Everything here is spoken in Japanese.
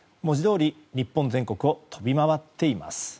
文字どおり日本全国を飛び回っています。